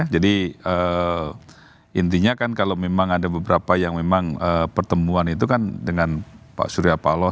jadi intinya kan kalau memang ada beberapa yang memang pertemuan itu kan dengan pak surya paloh